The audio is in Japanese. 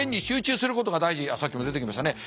さっきも出てきましたね。